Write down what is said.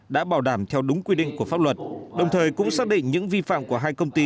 đã bảo đảm theo đúng quy định của pháp luật đồng thời cũng xác định những vi phạm của hai công ty